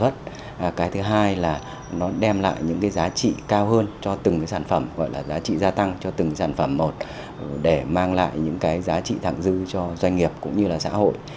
cái thứ hai là nó đem lại những cái giá trị cao hơn cho từng cái sản phẩm gọi là giá trị gia tăng cho từng sản phẩm một để mang lại những cái giá trị thẳng dư cho doanh nghiệp cũng như là xã hội